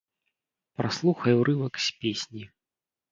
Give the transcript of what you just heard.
Праслухай урывак з песні.